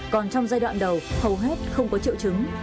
còn trong giai đoạn đầu hầu hết không có triệu chứng